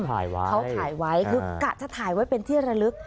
เค้าถ่ายไว้กะจะถ่ายไว้เป็นที่ระลึก